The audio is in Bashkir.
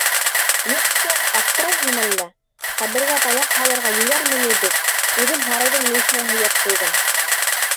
— Юҡсы, аптырайһыңмы әллә, ҡәбергә таяҡ һалырға йүләрме ней беҙ, үҙем һарайҙың мөйөшөнә һөйәп ҡуйҙым.